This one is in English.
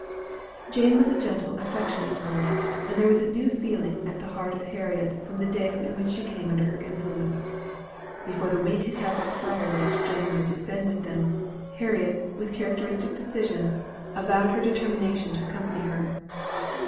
Jane was a gentle affectionate girl; and there was a new feeling at the heart of Harriet from the day in which she came under her influence. Before the week had half expired which Jane was to spend with them, Harriet, with characteristic decision, avowed her determination to accompany her.